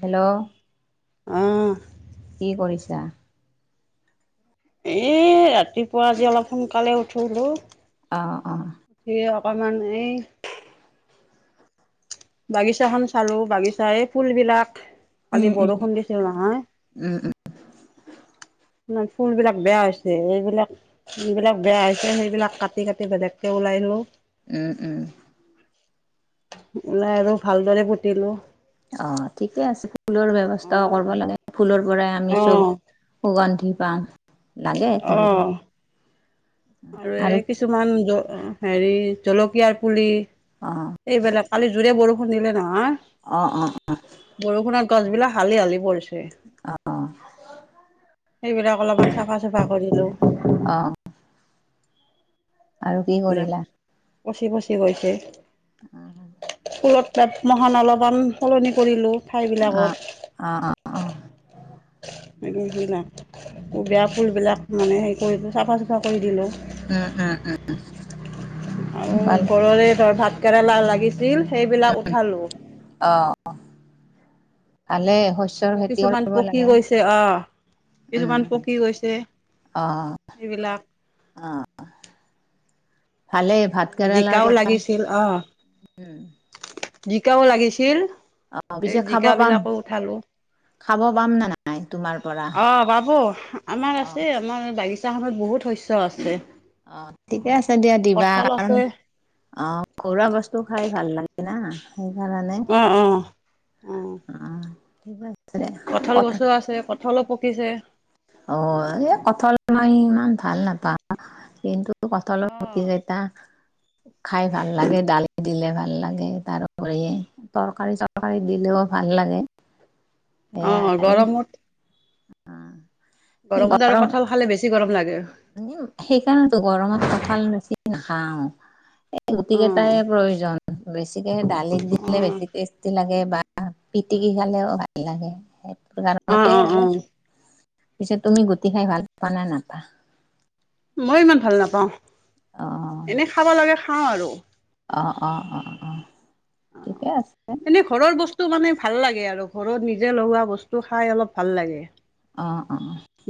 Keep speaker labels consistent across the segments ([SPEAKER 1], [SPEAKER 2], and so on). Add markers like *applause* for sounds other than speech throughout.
[SPEAKER 1] Hello?
[SPEAKER 2] অঁহ।
[SPEAKER 1] কি কৰিছা?
[SPEAKER 2] এই ৰাতিপুৱা আজি অলপ সোনকালে উঠলোঁ।
[SPEAKER 1] অ' অ'।
[SPEAKER 2] সেই অকণমান এই বাগিছাখন চালো, বাগিচা এই ফুলবিলাক কালি বৰষুণ দিছিলো নহয়।
[SPEAKER 1] ওম ও।
[SPEAKER 2] তোমাৰ ফুলবিলাক বেয়া হৈছে এইবিলাক। যিবিলাক বেয়া হৈছে সেইবিলাক কাটি কাটি বেলেগকে ওলাই লো।
[SPEAKER 1] ওম ওম।
[SPEAKER 2] ওলাই আৰু ভালদৰে পুতিলো।
[SPEAKER 1] অ' ঠিকে আছে ফুলৰ ব্যৱস্থাও কৰিব
[SPEAKER 2] অ',
[SPEAKER 1] লাগে। ফুলৰ পৰাই আমি চব
[SPEAKER 2] অ',
[SPEAKER 1] সুগন্ধি পাও লাগে কৰিব।
[SPEAKER 2] অ', আৰু এই কিছুমান হেৰি জলকীয়াৰ পুলি
[SPEAKER 1] অ'।
[SPEAKER 2] এইবিলাক কালি জোৰে বৰষুণ দিলে নহয়।
[SPEAKER 1] অ' অ' অ'।
[SPEAKER 2] বৰষুণত গছ বিলাক হালি হালি পৰিছে। সেইবিলাক অলপমান চাফা চফা কৰিলো।
[SPEAKER 1] অ'। আৰু কি কৰিলা।
[SPEAKER 2] পচি পচি গৈছে।
[SPEAKER 1] *inaudible*
[SPEAKER 2] স্কুলত মহান অলপমান সলনি কৰিলোঁ
[SPEAKER 1] অ
[SPEAKER 2] ঠাইবিলাকত।
[SPEAKER 1] অ অ
[SPEAKER 2] বেয়া ফুল বিলাক। মানে হেৰি কৰিলো চাফা চুফা কৰি দিলোঁ।
[SPEAKER 1] উম উম উম।
[SPEAKER 2] আৰু
[SPEAKER 1] ভাল
[SPEAKER 2] ঘৰৰে ধৰ ভাত কেৰেলা লাগিছিল সেইবিলাক উঠালো।
[SPEAKER 1] অ অ' পালে
[SPEAKER 2] এ কিছুমান পকি গৈছে অ'।
[SPEAKER 1] উম
[SPEAKER 2] কিছুমান পকি গৈছে
[SPEAKER 1] অ
[SPEAKER 2] এইবিলাক।
[SPEAKER 1] অ'। ভালেই ভাত কেৰেলাৰ
[SPEAKER 2] জিকাও
[SPEAKER 1] পৰা
[SPEAKER 2] লাগিছিল অ'
[SPEAKER 1] উম
[SPEAKER 2] জিকাও লাগিছিল।
[SPEAKER 1] অ
[SPEAKER 2] এই
[SPEAKER 1] পিছে খাব
[SPEAKER 2] জিকা
[SPEAKER 1] পাম
[SPEAKER 2] বিলাকো উঠালো।
[SPEAKER 1] খাব পাম নে নাই। নাই তোমাৰ পৰা।
[SPEAKER 2] অ' বাব আমাৰ
[SPEAKER 1] অ
[SPEAKER 2] আছে আমাৰ বাগিচা খনত বহুত শস্য আছে।
[SPEAKER 1] অ' ঠিকে আছে দিয়া দিবা
[SPEAKER 2] কঁঠাল
[SPEAKER 1] কাৰণ।
[SPEAKER 2] আছে
[SPEAKER 1] অ' ঘৰুৱা বস্তু খাই ভাল লাগে না। সেইকাৰণে
[SPEAKER 2] অ', অ',
[SPEAKER 1] অহ দিবা।
[SPEAKER 2] কঠাল গছো আছে কঠালো পকিছে।
[SPEAKER 1] অ এই কঠল মই ইমান ভাল নাপাওঁ কিন্তু। কঠালৰ গুটিকেইতা খাই ভাল লাগে ডাল। দিলে ভাল লাগে তাৰোপৰি তৰকাৰী চৰকাৰী দিলেও ভাল লাগে। এয়া
[SPEAKER 2] অঁ গৰমত। গৰমত আৰু কঁঠাল খালে বেছি গৰম লাগে।
[SPEAKER 1] সেইকাৰনেতো গৰমত কঁঠাল মুচি নাখাওঁ। এই গোটেই
[SPEAKER 2] অ',
[SPEAKER 1] কেইটাই প্ৰয়োজন বেছিকে দালিত দিলে
[SPEAKER 2] অ',
[SPEAKER 1] বেছিকে। লাগে বা পিটিকি খালেও ভাল লাগে সেইটো
[SPEAKER 2] অ',
[SPEAKER 1] কাৰণতে
[SPEAKER 2] অ', অ',
[SPEAKER 1] অলপ। পিছেত তুমি গুটি খাই ভাল পা নে নাপা।
[SPEAKER 2] মই ইমান ভাল নাপাওঁ
[SPEAKER 1] অ
[SPEAKER 2] এনে খাব লগে খাওঁ আৰু।
[SPEAKER 1] অ অ অ অ ঠিকে আছে।
[SPEAKER 2] এনেই ঘৰৰ বস্তু মানে ভাল লাগে আৰু ঘৰত নিজে লগোৱা বস্তু খাই অলপ ভাল লাগে।
[SPEAKER 1] অঁ অঁ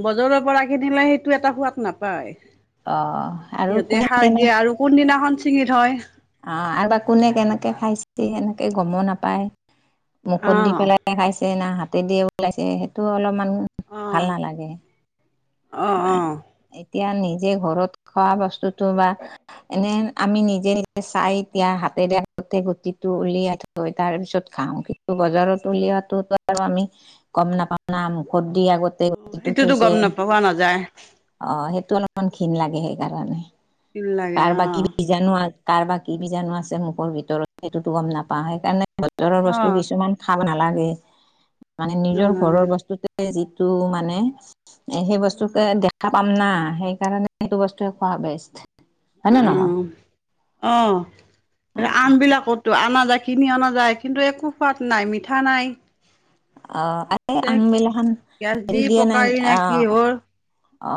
[SPEAKER 2] বজৰৰ পৰা কিনিলে সেইটো এটা সোৱাদ নাপায়
[SPEAKER 1] অ আৰু
[SPEAKER 2] সিহঁতে
[SPEAKER 1] কোনে
[SPEAKER 2] সাৰ
[SPEAKER 1] কেনে
[SPEAKER 2] দিয়ে আৰু কোনদিনাখন ছিঙি থয়
[SPEAKER 1] অ আৰু বা কোনে কেনেকে খাইছে এনেকে গম নাপায় মুখত দি
[SPEAKER 2] অ',
[SPEAKER 1] পেলাই খাইছে না হাতে দিয়ে ওলাইছে সেইটো অলপমান ভাল
[SPEAKER 2] অ',
[SPEAKER 1] নালাগে
[SPEAKER 2] অ অ
[SPEAKER 1] এতিয়া নিজে ঘৰত খোৱা বস্তুতটো বা এনে আমি নিজে নি চাই দিয়া হাতেৰে *unintelligible* গুটিটো উলিয়াই থাক গৈ তাৰ পিছত খাওঁ কিন্তু বজাৰত উলওৱাটোতো আৰু আমি গম নাপাওঁ না মুখত দি আগত
[SPEAKER 2] অ সেইটোতো গম নাপাও কোৱা নাযায়
[SPEAKER 1] অ সেইটো অলপমান ঘীণ লাগে সেইকাৰণে
[SPEAKER 2] তিল লাগে
[SPEAKER 1] কাৰ বা কি
[SPEAKER 2] অ',
[SPEAKER 1] বীজাণু কাৰ বা কি বীজাণু আছে মুখৰ ভিতৰত সেইটোতো গম নাপাওঁ সেইকাৰণে বজাৰৰ বস্তু
[SPEAKER 2] অ',
[SPEAKER 1] কিছুমান খাব নালাগে মানে নিজৰ
[SPEAKER 2] নালাগে
[SPEAKER 1] ঘৰৰ বস্তু যিটো মানে সেই
[SPEAKER 2] উম,
[SPEAKER 1] বস্তুকে দেখা পাম না সেইকাৰণে সেইটো বস্তুৱয়ে খোৱা বেষ্ট হয় নে নহয়
[SPEAKER 2] আহ আহ আমবিলাকো টো অনা যায় কিনি অনা যায় কিন্তু একো সোৱাদ নাই মিঠা নাই
[SPEAKER 1] অ আ
[SPEAKER 2] তে
[SPEAKER 1] আমবিলাখান
[SPEAKER 2] গেছ দি
[SPEAKER 1] হেৰি দিয়ে নাই
[SPEAKER 2] পকাই নে
[SPEAKER 1] অ
[SPEAKER 2] কি হ'ল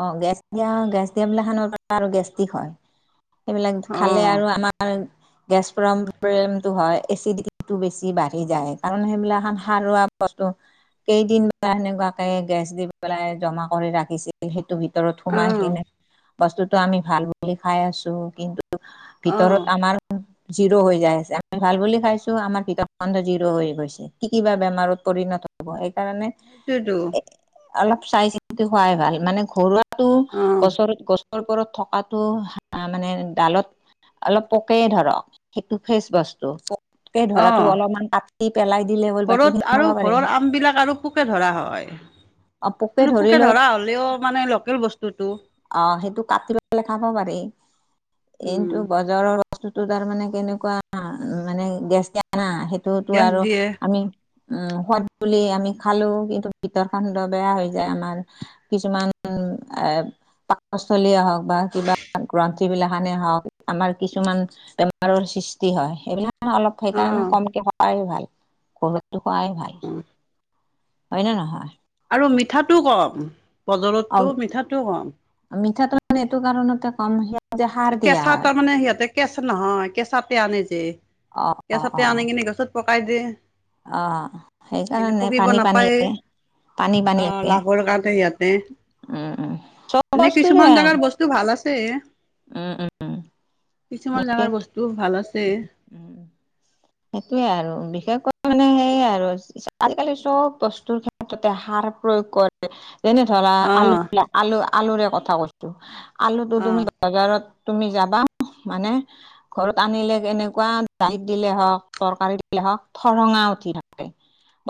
[SPEAKER 1] অ গেছ দিয়া গেছ দিয়া বোলে খানৰ পৰা আৰু গেষ্টিক হয় এইবিলাক খালে
[SPEAKER 2] অ',
[SPEAKER 1] আৰু আমাৰ গেছ প্ৰবলেমটো হয় এচিডিটিটো বেছি বাঢ়ি যায় কাৰণ সেইবিলাক সাৰুৱা বস্তু কেইদিন সেনেকুৱাকে গেছ দি পেলাই জমা কৰি ৰাখিছিল সেইটো ভিতৰত সোমাই
[SPEAKER 2] অ',
[SPEAKER 1] কিনে বস্তুতটো আমি ভাল বুলি খাই আছো কিন্তু ভিতৰত
[SPEAKER 2] অ',
[SPEAKER 1] আমাৰ জিৰো হৈ যাই আছে আমি ভাল বুলি খাইছো আমাৰ পিতড জিৰো হৈ গৈছে কি কিবা বেমাৰত পৰিণত হ'ব সেইকাৰণে
[SPEAKER 2] সেইটোৱেটো
[SPEAKER 1] অলপ চাই চিতি হোৱাই ভাল মানে ঘৰুৱাতটো
[SPEAKER 2] অ',
[SPEAKER 1] গছৰ গছ *unintelligible* ওপৰত থকাতটো মানে ডালত অলপ পোকে ধৰক সেইটো ফ্ৰেচ বস্তু পোকে
[SPEAKER 2] অ',
[SPEAKER 1] ধৰাটো অলপমান কাটি পেলাই দিলে হ'ল
[SPEAKER 2] ঘৰত
[SPEAKER 1] বাকীখিনি খাব
[SPEAKER 2] আৰু
[SPEAKER 1] পাৰি
[SPEAKER 2] ঘৰৰ আম বিলাক আৰু পোকে ধৰা হয়
[SPEAKER 1] অ
[SPEAKER 2] মানে পোকে
[SPEAKER 1] ধৰিলেও
[SPEAKER 2] ধৰা হ'ল ও মানে লোকেল বস্তু
[SPEAKER 1] অ সেইটো কাটি ললে খাব পাৰি এইটো
[SPEAKER 2] উম,
[SPEAKER 1] গছ জ্বৰৰ বস্তুতটো তাৰ মানে কেনেকুৱা মানে গেছ *unintelligible* সেইটোতো
[SPEAKER 2] গেছ
[SPEAKER 1] আৰু
[SPEAKER 2] দিয়ে
[SPEAKER 1] আমি উম সদ বুলি আমি খালো কিন্তু ভিতৰ খন্দ বেয়া হৈ যায় আমাৰ কিছুমান এ শাক-পাচলিয়ে হওক বা কিবা গ্ৰন্থি বিলাকখানে হওক আমাৰ কিছুমান বেমাৰৰ সৃষ্টি হয় সেইবিলাক অলপ সেইকাৰণে
[SPEAKER 2] অ',
[SPEAKER 1] কমকে খোৱাই ভাল ঘৰৰটো খোৱাই ভাল
[SPEAKER 2] হয়
[SPEAKER 1] হয় ন নহয়
[SPEAKER 2] আৰু মিঠাটো কম
[SPEAKER 1] অ
[SPEAKER 2] বজৰতটো মিঠাটো কম
[SPEAKER 1] মিঠাটো মানে এইটো কাৰণতে কম- যে সাৰ দিয়া
[SPEAKER 2] কেঁচা
[SPEAKER 1] হয়
[SPEAKER 2] তাৰ মানে সিহঁতে কেঁচা নহয় কেঁচাতে আনে যে,
[SPEAKER 1] অ অ
[SPEAKER 2] কেঁচাতে আনি কিনে গছত- পকাই দিয়ে।
[SPEAKER 1] অঁ সেইকাৰণে নে পানী পানীৰে-
[SPEAKER 2] অঁ লাভৰ কাৰণে ইয়াতে
[SPEAKER 1] উম উম চব
[SPEAKER 2] এনে
[SPEAKER 1] বস্তুৰে
[SPEAKER 2] কিছুমান জাগাৰ বস্তু- টো ভাল আছে।
[SPEAKER 1] উম উম'
[SPEAKER 2] কিছুমান জাগাৰ
[SPEAKER 1] বিশেষ
[SPEAKER 2] বস্তু ভাল আছে।
[SPEAKER 1] সেইটোৱে আৰু বিশেষকৈ মানে সেইয়ে আৰু- আজিকালি চব বস্তুৰ ক্ষেত্ৰতে সাৰ প্ৰয়োগ কৰে। যেনে ধৰা, আলু
[SPEAKER 2] আহ
[SPEAKER 1] বিলাক আলু -আলুৰে কথা কৈছো। আলুটো
[SPEAKER 2] আহ
[SPEAKER 1] তুমি বাজাৰত তুমি যাবা মানে- ঘৰত আনিলে কেনেকুৱা দাইত দিলে হওক তৰকাৰী দিলে হওঁক ঠৰঙা উঠি থা- কে।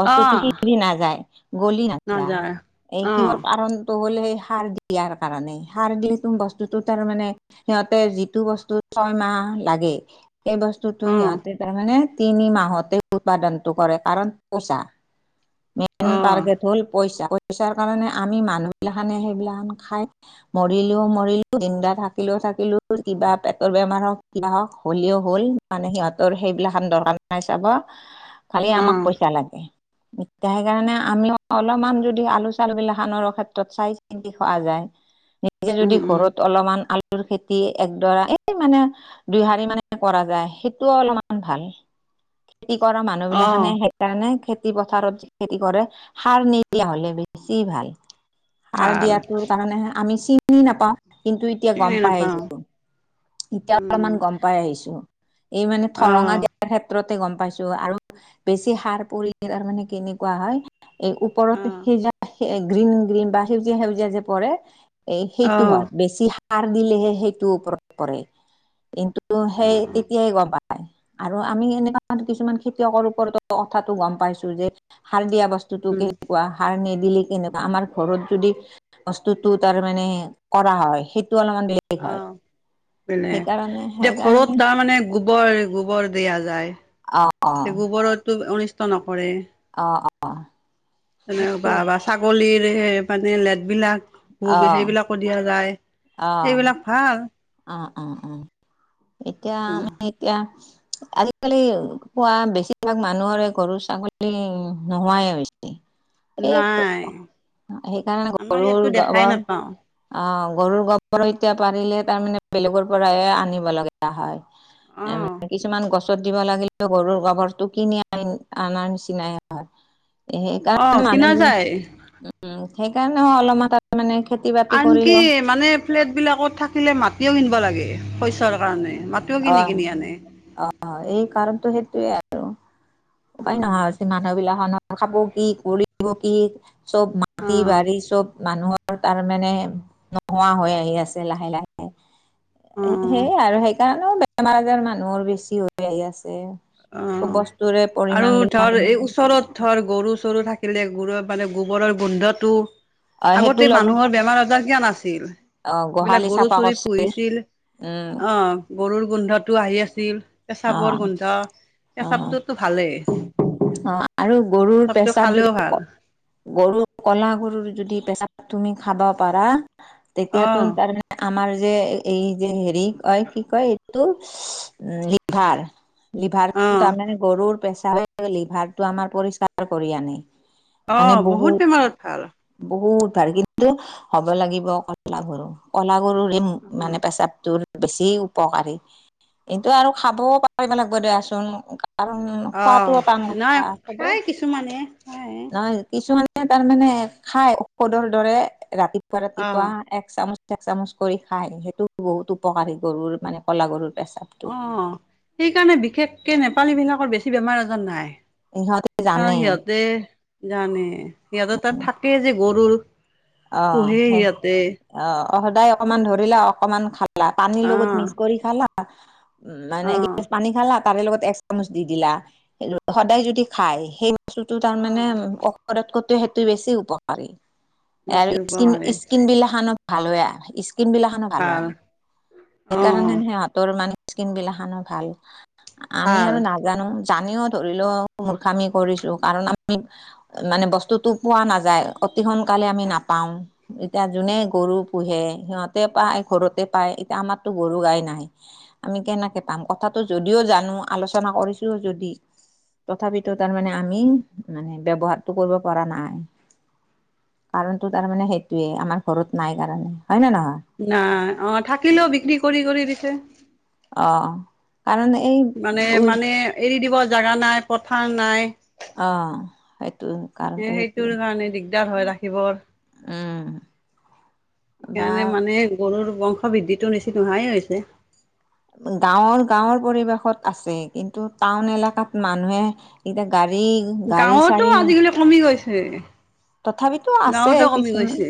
[SPEAKER 1] বস্তুটো
[SPEAKER 2] আহ
[SPEAKER 1] সিজি নাযায় গলি নাযায়, এই
[SPEAKER 2] আহ
[SPEAKER 1] কিহৰ কাৰণ- হ'ল সেই সাৰ দিয়াৰ কাৰণে সাৰ দিলেটো বস্তুতটো তাৰ মানে সিহঁতে যিটো বস্তুটো- ছয়মাহ লাগে। সেই বস্তুটো
[SPEAKER 2] আহ
[SPEAKER 1] সিহঁতে তাৰমানে- তিনি মাহতে উৎপাদনটো কৰে, কাৰণ প‌ইচা- মেইন
[SPEAKER 2] আহ
[SPEAKER 1] টাৰ্গেট হল পইচা পইচাৰ কাৰণে আমি মানুহ বিলাখানে সেইবিলাখন খাই- মৰিলোও মৰিলো জিন্দা থাকিলেও থাকিলোটো কিবা এটা- ৰ বেমাৰ হওক কিবা হওক হ'লেও হ'ল মানে সিহঁতৰ সেইবিলাকখান দৰকাৰ নাই চাব- খালি আমাক
[SPEAKER 2] আহ
[SPEAKER 1] পইচা লাগে। এতিয়াৰ কাৰণে আমিও অলপমান যদি আলু চালু গিলাখানৰ ক্ষেত্ৰত চাই চিন্তি খোৱা যায়-
[SPEAKER 2] *inaudible*
[SPEAKER 1] এতিয়া যদি
[SPEAKER 2] উম
[SPEAKER 1] ঘৰত অলমান আলুৰ খেতি একডৰা‌ এ- মানে দুই হাৰি মানে কৰা যায় সেইটোও অলমান ভাল। খেতি কৰা মানুহ
[SPEAKER 2] আহ
[SPEAKER 1] বিলাকখানে সেই- সেইকাৰণে খেতি পথাৰত খেতি কৰে সাৰ নিদিয়া হলে বেছি ভাল। সাৰ
[SPEAKER 2] ভাল
[SPEAKER 1] দিয়াটো কাৰণে আমি চিনি নাপাও কিন্তু এতিয়া
[SPEAKER 2] চিনি
[SPEAKER 1] গম পায়েই
[SPEAKER 2] নাপাওঁ
[SPEAKER 1] আহিছো। এতিয়া
[SPEAKER 2] উম
[SPEAKER 1] অলমান গম পাই আহিছো এই মানে ঠৰঙা
[SPEAKER 2] আহ
[SPEAKER 1] দিয়াৰ ক্ষেত্ৰতে গম পাই আৰু। বেছি সাৰ পৰিলে তাৰমানে কেনেকুৱা হয়- এই ওপৰত
[SPEAKER 2] আহ
[SPEAKER 1] সেই যে সে গ্ৰীণ গ্ৰীণ বা সেউজীয়া সেউজীয়া যে পৰে- এ সেইটো
[SPEAKER 2] আহ
[SPEAKER 1] হয় বেছি সাৰ দিলেহে সেইটোৰ ওপৰত পৰে কিন্তু- তো সেই
[SPEAKER 2] আহ
[SPEAKER 1] এতিয়াই গম পা- আৰু আমি সেনেকুৱা কিছুমান খেতিয়কৰ ওপৰতো কথাটো গম পাইছো যে, - সাৰ দিয়া বস্তুটো
[SPEAKER 2] উম
[SPEAKER 1] কেনেকুৱা সাৰ নিদিলে কেনেকুৱা আমাৰ ঘৰত যদি- বস্তুটো তাৰ মানে কৰা হয়, সেইটো অলমান বেলেগ। হয়
[SPEAKER 2] অঁ পেনে
[SPEAKER 1] সেইকাৰণে সেইকাৰণে
[SPEAKER 2] ঘৰত তাৰমানে গোবৰ গোবৰ দিয়া যায়।
[SPEAKER 1] অঁ'
[SPEAKER 2] গোবৰতটো অনিষ্ট নকৰে। তেনেকে বা
[SPEAKER 1] অ
[SPEAKER 2] বাচ- ছাগলীৰ সেই মানে লেটবিলাক
[SPEAKER 1] অ
[SPEAKER 2] সেইবিলাকো দিয়া যায়। এইবিলাক- হাঁ।
[SPEAKER 1] অঁ অঁ অঁ এতিয়া আমি এতিয়া- আজিকালি পোৱা বেছিভাগ মানুহৰে গৰু ছাগলী নোহোৱাই হৈছে।
[SPEAKER 2] *inaudible*
[SPEAKER 1] এই ক সেইকাৰণে
[SPEAKER 2] আমাৰ ইয়াততো
[SPEAKER 1] গৰুৰ
[SPEAKER 2] দেখাই
[SPEAKER 1] গাঁৱৰ-
[SPEAKER 2] নাপাওঁ।
[SPEAKER 1] অ গৰুৰ গবৰ এতিয়া পাৰিলে তাৰমানে বেলেগৰ পৰাহে আনিব লগা হয়
[SPEAKER 2] অ'
[SPEAKER 1] এ কিছুমান গছ ছত দিব লাগিলেও গৰুৰ গবৰ টো কিনি আন আনাৰ নিচিনাই হয় সেইকাৰণে
[SPEAKER 2] অ' কিনা
[SPEAKER 1] মানুহ
[SPEAKER 2] যায়।
[SPEAKER 1] *unintelligible* উ সেইকাৰণে অলপমান মানে খেতি বাতি কৰিলেও
[SPEAKER 2] ফ্লেটবিলাকত থাকিলে মাটিও কিনিব লাগে পইচাৰ কাৰণে মাটিও কিনি কিনি আনে
[SPEAKER 1] অ এই কাৰণটো সেইটোৱে আৰু উপায় নোহোৱা
[SPEAKER 2] অ'
[SPEAKER 1] হৈছে মানুহ বিলাখনৰ খাব কি কৰিব কি চব মাটি বাৰী চব মানুহৰ তাৰ মানে নোহোৱা হৈ আহি আছে লাহে লাহে হে
[SPEAKER 2] অ'
[SPEAKER 1] সেই আৰু সেইকাৰণেও বেমাৰ আজাৰ মানুহৰ বেছি হৈ আহি আছে চব
[SPEAKER 2] অ' অ'
[SPEAKER 1] বস্তুৰে
[SPEAKER 2] আৰু
[SPEAKER 1] পৰিমাণ বিলাক
[SPEAKER 2] ধৰ এই ওচৰত ধৰ গৰু চৰু থাকিলে গৰু মানে গোবৰৰ গোন্ধটো
[SPEAKER 1] অ সেইটো
[SPEAKER 2] আগতে
[SPEAKER 1] ল'বা
[SPEAKER 2] মানুহৰ বেমাৰ আজাৰ কিয়া নাছিল
[SPEAKER 1] অ
[SPEAKER 2] বিলাক
[SPEAKER 1] গোহালি
[SPEAKER 2] গৰু
[SPEAKER 1] চাফা
[SPEAKER 2] চুৰি
[SPEAKER 1] কৰিছিল
[SPEAKER 2] পুহিছিল
[SPEAKER 1] উম
[SPEAKER 2] অ গৰুৰ গোন্ধটো আহি আছিল
[SPEAKER 1] অ
[SPEAKER 2] পেচাবৰ গোন্ধ
[SPEAKER 1] অ
[SPEAKER 2] পেচাবটোতো ভালেই
[SPEAKER 1] অ আৰু গৰুৰ
[SPEAKER 2] পেচাবটো
[SPEAKER 1] পেচাপ
[SPEAKER 2] খালেও
[SPEAKER 1] যদি
[SPEAKER 2] ভাল
[SPEAKER 1] ক গৰু ক'লা গৰুৰ যদি পেচাব তুমি খাব পাৰা
[SPEAKER 2] অ
[SPEAKER 1] তেতিয়াতো টোন কাৰনে আমাৰ যে এই যে হেৰি কয় কি কয় এইটো উ ভাৰ লিভাৰ
[SPEAKER 2] অ
[SPEAKER 1] তামানে গৰুৰ পেছাবে লিভাৰটো আমাৰ পৰিষ্কাৰ কৰি আনে
[SPEAKER 2] অ
[SPEAKER 1] মানে বহুত
[SPEAKER 2] বেমাৰত ভাল
[SPEAKER 1] বহুত পাৰিলেতো হ'ব লাগিব কলা গৰু কলা গৰুৰে মানে পেচাবটোৰ বেছি উপকাৰী ইটো আৰু খাবও পাৰিব লাগব দিয়াচোন কাৰণ খোৱাটো তান কথা চবেই
[SPEAKER 2] মানে খাই
[SPEAKER 1] এ কিছুমানে তাৰ মানে খাই ঔষধৰ দৰে ৰাতিপুৱা
[SPEAKER 2] অ
[SPEAKER 1] ৰাতিপুৱা এক চামুচ এক চামুচ কৰি খায় সেইটো বহুত উপকাৰী গৰুৰ মানে ক'লা গৰুৰ পেচাব
[SPEAKER 2] অ সেইকাৰণে বিশেষকে নেপালী বিলাকৰ বেছি বেমাৰ আজাৰ নাই
[SPEAKER 1] সিহঁতে
[SPEAKER 2] অ
[SPEAKER 1] জানে
[SPEAKER 2] সিহঁতে জানে সিহঁতৰ তাত থাকেই যে গৰুৰ
[SPEAKER 1] অ
[SPEAKER 2] পোহে
[SPEAKER 1] সেই
[SPEAKER 2] সিহঁতে
[SPEAKER 1] অ সদায় অকমান ধৰিলে অকমান খাল লা পানীৰ
[SPEAKER 2] অ
[SPEAKER 1] লগত মিক্স কৰি খালা উ মানে
[SPEAKER 2] অ
[SPEAKER 1] এগিলাছ পানী খালা তাৰে লগত এক চামুচ দি দিলা এ সদায় যদি খায় সেইব স্তুটো
[SPEAKER 2] অ
[SPEAKER 1] তাৰমানে ঔষধ কতোৱে সেইটো বেছি উপকাৰী এৰ
[SPEAKER 2] বেছি
[SPEAKER 1] স্কিন
[SPEAKER 2] উপকাৰী
[SPEAKER 1] স্কিন বিলাক খনো ভাল হয় আৰু স্কিন বিলাক খানো ভাল হয়
[SPEAKER 2] অ
[SPEAKER 1] সেইকাৰণে সিহঁতৰ মানে স্কিন বিলাখানো ভাল আমি
[SPEAKER 2] ভাল
[SPEAKER 1] আৰু না জানো জানিও ধৰিলেও মুৰ্খামি কৰিছো কাৰণ আমি অ মানে বস্তুতটো পোৱা নাযায় অতি সোনকালে আমি না পাও এতিয়া যোনে গৰু পোহে সিহঁত তে পায় ঘৰতে পায় এতিয়া আমাৰতো গৰু গাই নাই আমি কেনেকে পাম কথাটো যদিও জানো আলোচনা কৰিছো যদি তথাপিতো তাৰমানে আমি মানে ব্যৱহাৰতটো কৰিব পৰা নাই কাৰণটো তাৰমানে সেইটোয়ে আমাৰ ঘৰত নাই কাৰণে হয় নে নহয়
[SPEAKER 2] নাই অ থাকিলেও বিক্ৰী কৰি কৰি দিছে
[SPEAKER 1] অ কাৰণ এই
[SPEAKER 2] মানে
[SPEAKER 1] উই
[SPEAKER 2] মানে এৰি দিব জাগা নাই পথাৰ নাই।
[SPEAKER 1] অঁ সেইটোৱে।
[SPEAKER 2] এ সেইটোৰ কাৰণে দিগদাৰ হয় ৰাখিবৰ।
[SPEAKER 1] উম বা
[SPEAKER 2] সেইকাৰণে মানে গৰুৰ বংশ বৃদ্ধিটো নিচি নোহোৱাই হৈছে।
[SPEAKER 1] গাঁৱৰ গাঁৱৰ পৰিৱেশত আছে, কিন্তু টাউন এলেকাত মানুহে। এতিয়া গাড়ী গাড়ী
[SPEAKER 2] গাঁৱতো
[SPEAKER 1] চাড়ী।
[SPEAKER 2] আজিকালি কমি গৈছে।
[SPEAKER 1] তথাপিতো আছে
[SPEAKER 2] গাঁৱতো কমি
[SPEAKER 1] কিছুমান,
[SPEAKER 2] গৈছে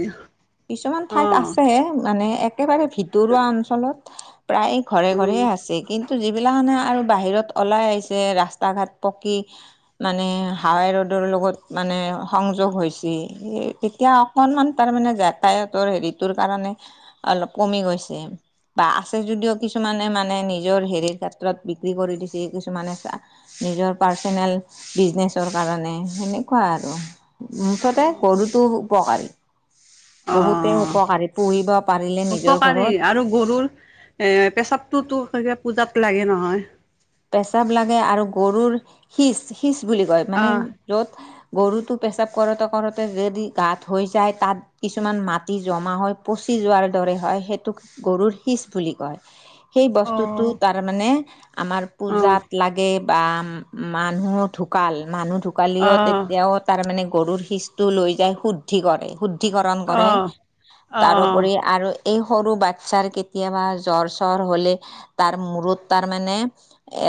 [SPEAKER 1] কিছুমান
[SPEAKER 2] অ
[SPEAKER 1] ঠাইত আছে মানে এক। একেবাৰে ভিতৰুৱা অঞ্চলত প্ৰায় ঘৰে
[SPEAKER 2] অ
[SPEAKER 1] ঘৰে আছে কিন্তু যি। এগলা খানে আৰু বাহিৰত ওলাই আহিছে ৰাস্তা ঘাট পকি। মানে হাৱাই ৰ'দৰ লগত মানে সংযোগ হৈছ। তেতিয়া অকনমান তাৰমানে যাতায়তৰ হেৰিটোৰ কাৰণে। অলপ কমি গৈছে। বা আছে যদিও কিছুমানে মানে নিজৰ হেৰিৰ ক্ষেত্ৰত বিক্ৰী কৰি দিছে কিছুমানে *inaudible* নিজৰ পাৰ্চনেল বিজনেছৰ কাৰণে সেনেকুৱা আৰু। তা গৰুতো উপকাৰী।
[SPEAKER 2] অ
[SPEAKER 1] বহুতে
[SPEAKER 2] অ
[SPEAKER 1] উপকাৰী পুহিব পাৰিলে নিজৰ
[SPEAKER 2] উপকাৰী
[SPEAKER 1] ঘৰত।
[SPEAKER 2] আৰু গৰুৰ। পেচাবটোতো সক পূজাত লাগে নহয়।
[SPEAKER 1] পেচাব লাগে আৰু গৰুৰ শিচ শিচ বুলি কয় মানে।
[SPEAKER 2] আহ
[SPEAKER 1] য'ত গৰুটো পেচাব কৰোঁতে কৰোঁতে যদি গাত হৈ যায় তাত। কিছুমান মাটি জমা হয় পচি যোৱাৰ দৰে হয় সেইটোক। গৰুৰ সিচ বুলি কয়। সেই
[SPEAKER 2] অ
[SPEAKER 1] বস্তুটো তাৰ মানে আমাৰ
[SPEAKER 2] অ
[SPEAKER 1] পূজাত লাগে। বা মানুহ ঢুকাল মানুহ
[SPEAKER 2] অ অ
[SPEAKER 1] ঢুকালিও তেতিয়াও। তাৰ মানে গৰুৰ শিচটো লৈ যায় শুদ্ধি কৰে শুদ। তিকৰণ কৰে
[SPEAKER 2] অ অ
[SPEAKER 1] তাৰোপৰি আৰু। এই সৰু বাচ্ছাৰ কেতিয়াবা জ্বৰ চৰ হলে তাৰ মূৰত তাৰ মানে।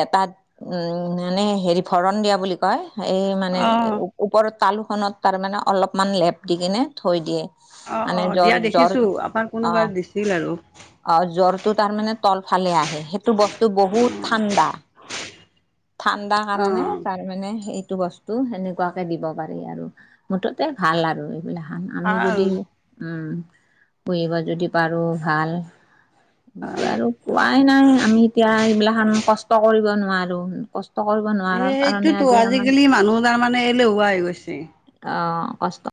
[SPEAKER 1] এটাত উম মানে হেৰি ভৰণ দিয়া বুলি কয় এই মানে।
[SPEAKER 2] অ
[SPEAKER 1] ওপৰৰত তালো খত তাৰ মানে অলপমান লেপ দি কিনে থৈ দিয়ে।
[SPEAKER 2] অ,
[SPEAKER 1] মানে
[SPEAKER 2] অ
[SPEAKER 1] জ্বৰ
[SPEAKER 2] দিয়া
[SPEAKER 1] জ্বৰ
[SPEAKER 2] দেখিছো আপাৰ কোনোবাৰ দিছিল আৰু।
[SPEAKER 1] অ জ্বৰটো তাৰমানে তলফালে আহে, সেইটো বস্তু বহুত
[SPEAKER 2] অ
[SPEAKER 1] ঠাণ্ডা। ঠাণ্ডা
[SPEAKER 2] অ
[SPEAKER 1] কাৰণে তাৰ মানে এইটো বস। তো সেনেকুৱাকে দিব পাৰি আৰু মুঠতে ভাল আৰু এইবিলাখান, আমি
[SPEAKER 2] ভাল
[SPEAKER 1] যদি। উম পুহিব যদি পাৰোঁ ভাল। সটো
[SPEAKER 2] ভাল
[SPEAKER 1] আৰু কোৱাই নাই আমি এতিয়া এইবিলাখান কষ্ট কৰিব নোৱাৰো কচ।
[SPEAKER 2] এই সেইটোতো আজিকালি মানুহ তাৰমানে এলেহুৱা হৈ গৈছে।
[SPEAKER 1] অ কষ্ট।